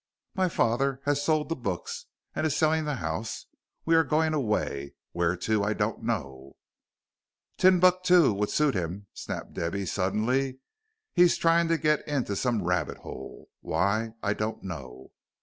"My father has sold the books and is selling the house. We are going away. Where to I don't know." "Tumbucktook would suit him," snapped Debby, suddenly; "he's trying to get into some rabbit hole. Why, I don't know."